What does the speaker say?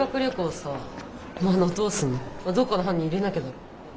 どっかの班に入れなきゃだろ？